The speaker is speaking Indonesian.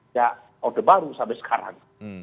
ya orde baru sampai sekarang